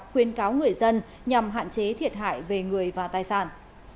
khuyên cáo người dân nhằm hạn chế thiệt hại về người và tài sản